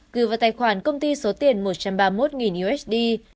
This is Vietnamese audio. gửi vào tài khoản công ty số tiền một trăm ba mươi một usd